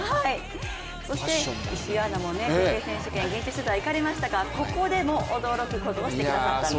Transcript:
そして石井さんも世界選手権、行かれましたがここでも驚くことをしてくださったんです。